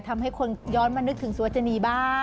ทำให้คนย้อนมานึกถึงสุวจนีบ้าง